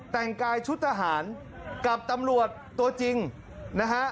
แต่งกายชุดทหารกับตำรวจตัวจริงนะฮะ